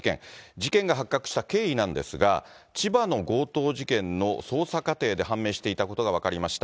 事件が発覚した経緯なんですが、千葉の強盗事件の捜査過程で判明していたことが分かりました。